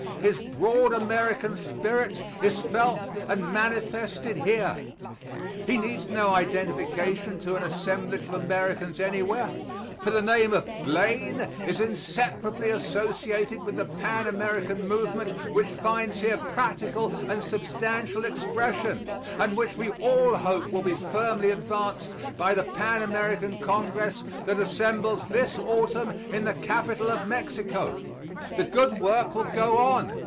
His broad American spirit is felt and manifested here. He needs no identification to an assemblage of Americans anywhere, for the name of Blaine is inseparably associated with the Pan American movement which finds here practical and substantial expression, and which we all hope will be firmly advanced by the Pan American Congress that assembles this autumn in the capital of Mexico. The good work will go on.